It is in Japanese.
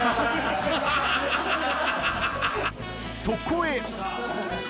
［そこへ］